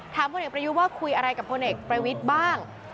ถามพ่อเอกประยุว่าคุยอะไรกับพ่อเอกประวิทธิ์บ้าง